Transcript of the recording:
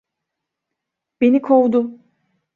Beni kovdu.